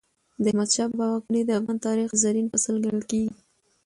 د احمد شاه بابا واکمني د افغان تاریخ زرین فصل ګڼل کېږي.